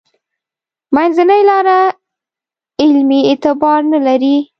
منځنۍ لاره علمي اعتبار نه لري.